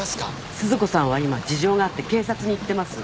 鈴子さんは今事情があって警察に行ってます